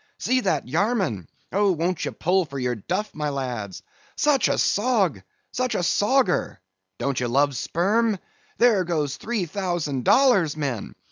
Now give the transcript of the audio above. _—see that Yarman—Oh, won't ye pull for your duff, my lads—such a sog! such a sogger! Don't ye love sperm? There goes three thousand dollars, men!